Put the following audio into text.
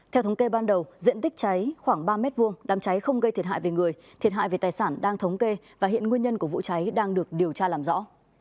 theo thống kê ban đầu diện tích cháy khoảng ba m hai đám cháy không gây thiệt hại về người thiệt hại về tài sản đang thống kê và hiện nguyên nhân của vụ cháy đang được điều tra làm rõ